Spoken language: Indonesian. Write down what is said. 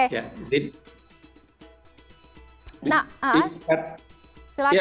nah silakan pak denny